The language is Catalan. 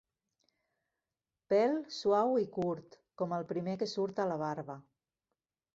Pèl suau i curt, com el primer que surt a la barba.